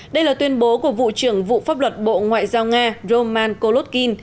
đây là tuyên bố của vụ trưởng vụ pháp luật bộ ngoại giao nga roman kolotin